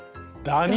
「ダニ」。